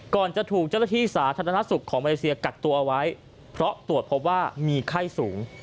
จะถูกเจ้าหน้าที่สาธารณสุขของมาเลเซียกักตัวเอาไว้เพราะตรวจพบว่ามีไข้สูง